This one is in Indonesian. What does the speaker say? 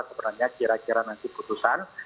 sebenarnya kira kira nanti putusan